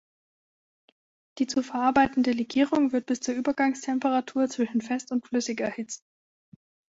Die zu verarbeitende Legierung wird bis zur Übergangstemperatur zwischen fest und flüssig erhitzt.